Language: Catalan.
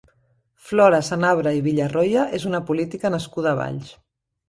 Flora Sanabra i Villarroya és una política nascuda a Valls.